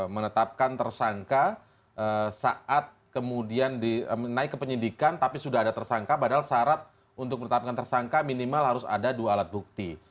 menetapkan tersangka saat kemudian naik ke penyidikan tapi sudah ada tersangka padahal syarat untuk menetapkan tersangka minimal harus ada dua alat bukti